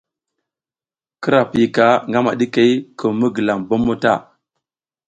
Kira piyika ngama ɗikey kum mi gilam bommo ta.